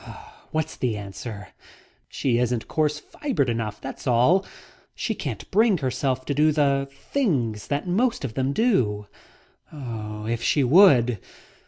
What's the answer? She isn't coarse fibred enough, that's all. She can't bring herself to do the things that most of them do. If she would..."